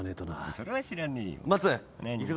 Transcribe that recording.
それは知らねえよ